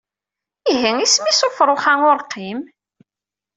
Ihi isem-is ufrux-a urqim?